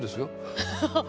ハハハハ。